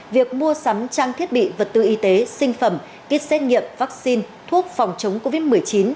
việc mua sắm trang thiết bị vật tư y tế sinh phẩm kýt xét nghiệm vaccine thuốc phòng chống covid một mươi chín